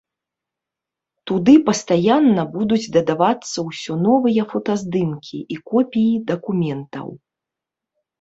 Туды пастаянна будуць дадавацца ўсё новыя фотаздымкі і копіі дакументаў.